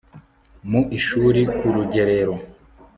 mu ishuri, ku rugerero